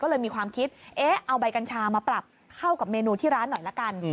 ก็เลยมีความคิดเอ๊ะเอาใบกัญชามาปรับเข้ากับเมนูที่ร้านหน่อยละกัน